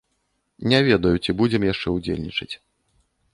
Не ведаю, ці будзем яшчэ ўдзельнічаць.